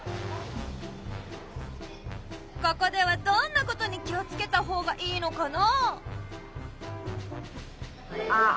ここではどんなことに気をつけたほうがいいのかな？